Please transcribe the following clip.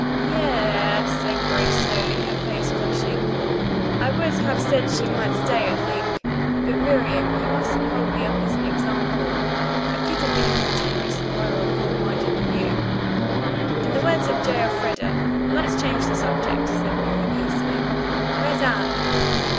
"Ye e s," said Grace slowly, her face flushing. "I would have said she might stay, I think. But, Miriam, you mustn't hold me up as an example. I couldn't be more generous and loyal and broadminded than you." "In the words of J. Elfreda, 'let's change the subject,'" said Miriam hastily. "Where's Anne?"